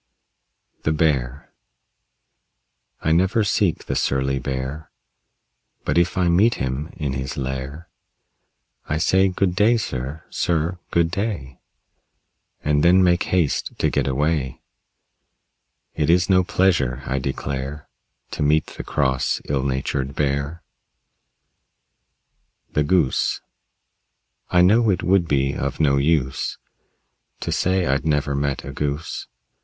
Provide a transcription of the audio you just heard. THE BEAR I never seek the surly Bear, But if I meet him in his lair I say, "Good day, sir; sir, good day," And then make haste to get away. It is no pleasure, I declare, To meet the cross, ill natured Bear. THE GOOSE I know it would be of no use To say I'd never met a Goose.